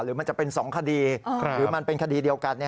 มันจะเป็น๒คดีหรือมันเป็นคดีเดียวกัน